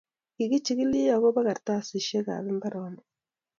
kichikili ako ba kartasishek ab imbaronik